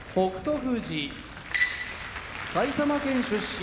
富士埼玉県出身